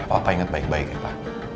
papa inget baik baik ya papa